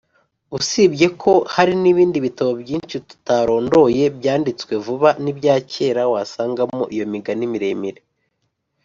Usibye ko hari n’ibindi bitabo byinshi tutarondoye byanditswe vuba n’ibya kera wasangamo iyo migani miremire